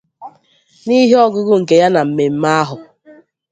N'ihe ọgụgụ nke ya na mmemme ahụ